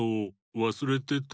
わすれてた。